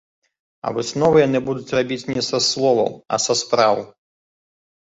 А высновы яны будуць рабіць не са словаў, а са спраў.